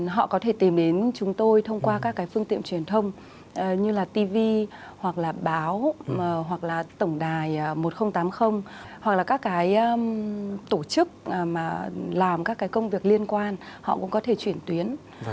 họ có thể tìm đến chúng tôi thông qua các cái phương tiện truyền thông như là tv hoặc là báo hoặc là tổng đài một nghìn tám mươi hoặc là các cái tổ chức mà làm các cái công việc liên quan họ cũng có thể chuyển tuyến